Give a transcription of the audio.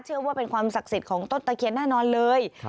เชื่อว่าเป็นความศักดิ์สิทธิ์ของต้นตะเคียนแน่นอนเลย